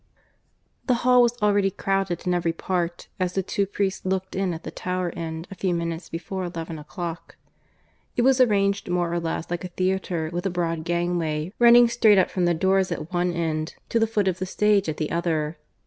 (III) The hall was already crowded in every part as the two priests looked in at the lower end a few minutes before eleven o'clock. It was arranged more or less like a theatre, with a broad gangway running straight up from the doors at one end to the foot of the stage at the other.